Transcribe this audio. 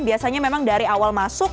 biasanya memang dari awal masuk